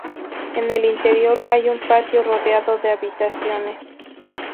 En el interior hay un patio rodeado de habitaciones.